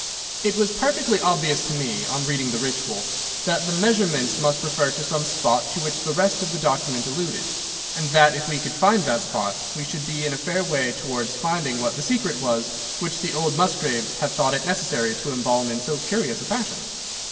"It was perfectly obvious to me, on reading the Ritual, that the measurements must refer to some spot to which the rest of the document alluded, and that if we could find that spot, we should be in a fair way towards finding what the secret was which the old Musgraves had thought it necessary to embalm in so curious a fashion.